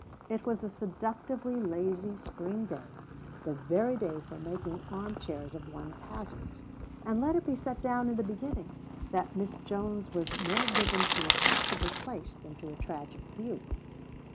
It was a seductively lazy spring day, the very day for making arm chairs of one's hazards. And let it be set down in the beginning that Miss Jones was more given to a comfortable place than to a tragic view.